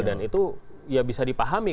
dan itu bisa dipahami